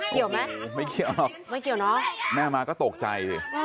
เกี่ยวไหมไม่เกี่ยวไม่เกี่ยวเนอะแม่มาก็ตกใจสิ